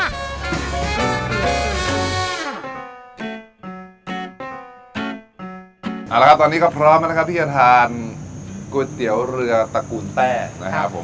เอาละครับตอนนี้ก็พร้อมแล้วนะครับที่จะทานก๋วยเตี๋ยวเรือตระกูลแต้นะครับผม